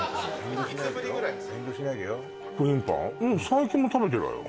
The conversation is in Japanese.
最近も食べてるわよ